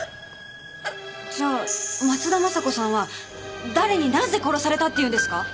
じゃあ松田雅子さんは誰になぜ殺されたっていうんですか？